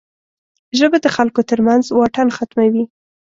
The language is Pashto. ژبه د خلکو ترمنځ واټن ختموي